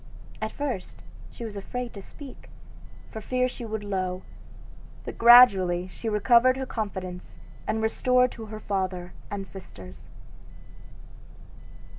At first she was afraid to speak, for fear she should low, but gradually she recovered her confidence and was restored to her father and sisters.